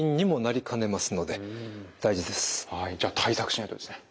はいじゃあ対策しないとですね。